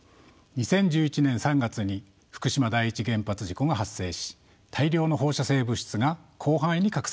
２０１１年３月に福島第一原発事故が発生し大量の放射性物質が広範囲に拡散しました。